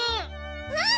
うん！